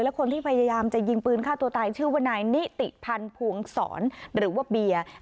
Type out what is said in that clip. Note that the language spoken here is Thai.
และคนที่พยายามจะยิงปืนฆ่าตัวตายชื่อว่านายนิติพันธ์พวงศรหรือว่าเบียร์